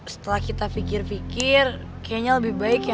setelah kita pikir pikir kayaknya lebih baik ya